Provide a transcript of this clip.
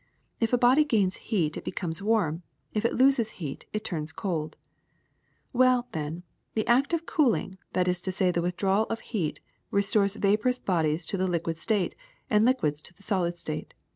If a body gains heat it becomes warm ; if it loses heat it turns cold. ^^Well, then, the act of cooling, that is to say the withdrawal of heat, restores vaporous bodies to the liquid state, and liquids to the solid state.